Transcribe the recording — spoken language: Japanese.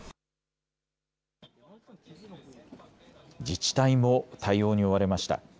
自治体も対応に追われました。